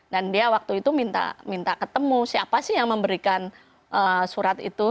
dan dia waktu itu minta ketemu siapa sih yang memberikan surat itu